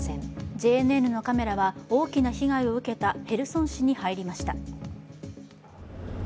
ＪＮＮのカメラは大きな被害を受けたヘルソン市に入りました。